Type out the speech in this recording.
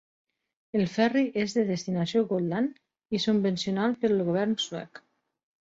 El ferri és de destinació Gotland i subvencionat pel govern suec.